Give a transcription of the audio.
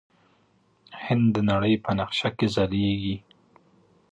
هند د نړۍ په نقشه کې ځلیږي.